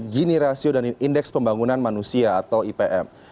gini rasio dan indeks pembangunan manusia atau ipm